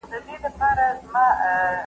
حج د انساني ژوند یو ډېر لوی او روحاني نعمت دی.